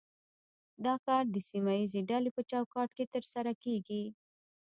دا کار د سیمه ایزې ډلې په چوکاټ کې ترسره کیږي